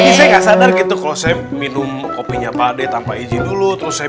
jadi saya nggak sadar gitu kalau saya minum kopinya pak deh tanpa izin dulu terus saya